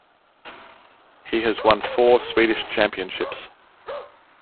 He has won four Swedish Championships.